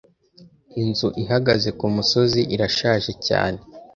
Inzu ihagaze kumusozi irashaje cyane.